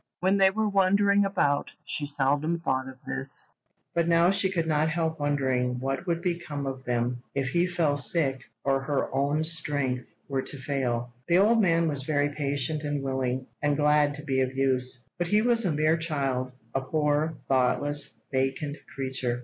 When they were wandering about she seldom thought of this, but now she could not help wondering what would become of them if he fell sick or her own strength were to fail her. The old man was very patient and willing, and glad to be of use; but he was a mere child—a poor, thoughtless, vacant creature.